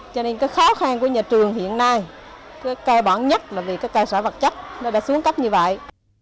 cho nên cái khó khăn của nhà trường hiện nay cái cơ bản nhất là vì cái cơ sở vật chất nó đã xuống cấp như vậy